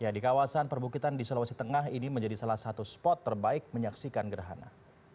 di kawasan perbukitan di sulawesi tengah ini menjadi salah satu spot terbaik menyaksikan gerhana